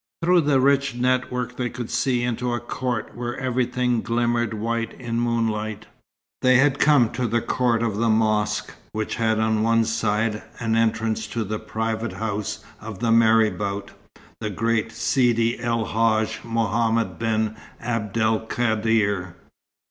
Through the rich network they could see into a court where everything glimmered white in moonlight. They had come to the court of the mosque, which had on one side an entrance to the private house of the marabout, the great Sidi El Hadj Mohammed ben Abd el Kader.